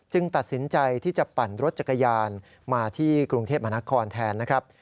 ตัดสินใจที่จะปั่นรถจักรยานมาที่กรุงเทพมหานครแทนนะครับ